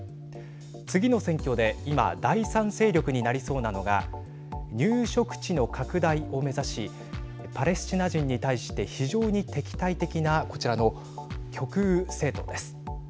次の選挙で今第３勢力になりそうなのが入植地の拡大を目指しパレスチナ人に対して非常に敵対的なこちらの極右政党です。